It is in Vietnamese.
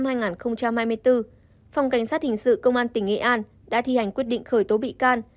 phòng cảnh sát hình sự công an tỉnh nghệ an đã thi hành quyết định khởi tố bị can